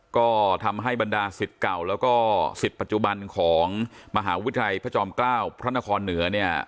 ก็ทำให้บรรดาสิทธิ์เก่าแล้วก็สิทธิ์ปัจจุบันของมหาวิทยาลัยพระจอมเกล้าพระนครเหนือเนี่ย